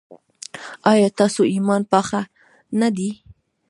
ایا ستاسو ایمان پاخه نه دی؟